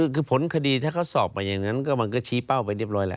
คือผลคดีถ้าเขาสอบมาอย่างนั้นก็มันก็ชี้เป้าไปเรียบร้อยแล้ว